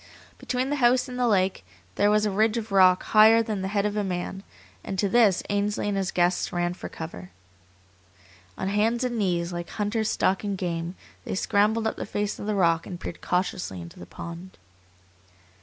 Between the house and the lake there was a ridge of rock higher than the head of a man, and to this Ainsley and his guests ran for cover. On hands and knees, like hunters stalking game, they scrambled up the face of the rock and peered cautiously into the pond.